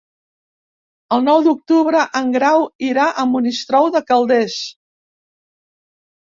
El nou d'octubre en Grau irà a Monistrol de Calders.